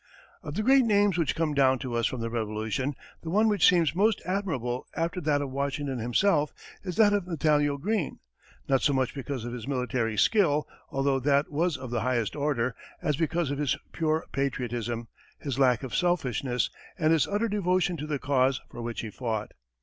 Of the great names which come down to us from the Revolution, the one which seems most admirable after that of Washington himself is that of Nathanael Greene, not so much because of his military skill, although that was of the highest order, as because of his pure patriotism, his lack of selfishness, and his utter devotion to the cause for which he fought.